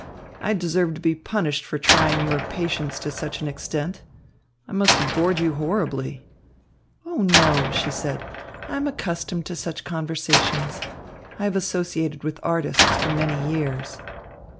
I deserve to be punished for trying your patience to such an extent. I must have bored you horribly." "Oh, no," she said, "I am accustomed to such conversations. I have associated with artists for many years."